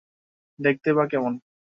দেখতেই বা কেমন?